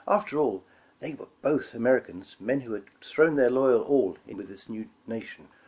After all, they were both Americans, men who had thrown their loyal all in with this new nation.